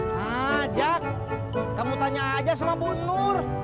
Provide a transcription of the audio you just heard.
nah jak kamu tanya aja sama bu nur